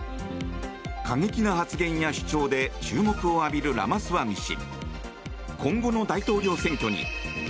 過激な発言や主張で注目を浴びる、ラマスワミ氏。